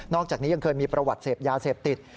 อกจากนี้ยังเคยมีประวัติเสพยาเสพติด